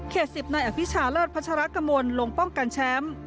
๑๐นายอภิชาเลิศพัชรกมลลงป้องกันแชมป์